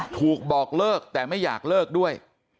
บอกเลิกแต่ไม่อยากเลิกด้วย